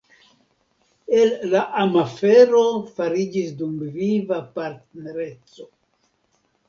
El la amafero fariĝis dumviva partnereco.